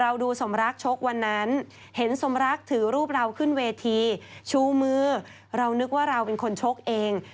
เราดูสมรักชกวันนั้นเห็นสมรักถือรูปเราขึ้นเวทีชูมือเรานึกว่าเราเป็นคนชกเอง